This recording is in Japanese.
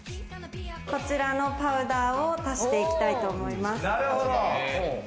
こちらのパウダーを足していきたいと思います。